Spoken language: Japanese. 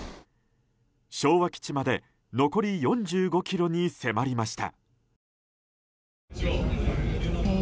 昭和基地まで残り４５ｋｍに迫りました。